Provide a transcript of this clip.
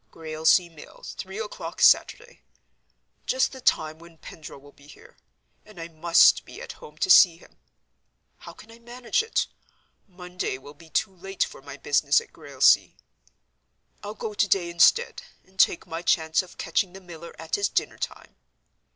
"Grailsea Mill, three o'clock, Saturday. Just the time when Pendril will be here; and I must be at home to see him. How can I manage it? Monday will be too late for my business at Grailsea. I'll go to day, instead; and take my chance of catching the miller at his dinner time."